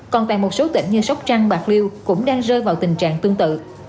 còn tại một số tỉnh như sóc trăng bạc liêu cũng đang rơi vào tình trạng tương tự